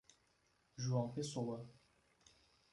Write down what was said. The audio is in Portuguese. João Pessoa